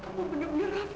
kamu punya raffi ibu raffi